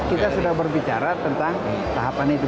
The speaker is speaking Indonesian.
kita sudah berbicara tentang tahapan itu